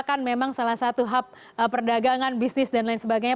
kan memang salah satu hub perdagangan bisnis dan lain sebagainya